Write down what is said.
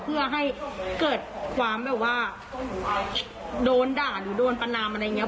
เพื่อให้เกิดความแบบว่าโดนด่าหรือโดนประนามอะไรอย่างนี้